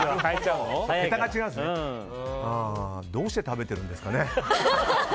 どうして食べてるんですかね。